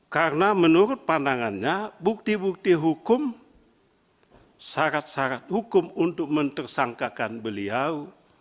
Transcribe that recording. karena menurut pandangannya bukti bukti hukum syarat syarat hukum untuk mentersangkakan beliau